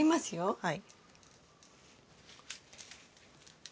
はい。